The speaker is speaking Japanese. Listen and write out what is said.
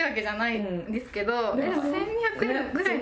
「１２００円くらいの」？